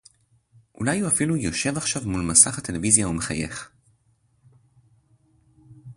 אולי הוא אפילו יושב עכשיו מול מסך הטלוויזיה ומחייך